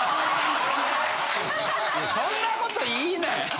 そんなこと言いなや！